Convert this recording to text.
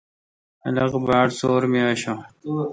خلق باڑ سور می اشہ۔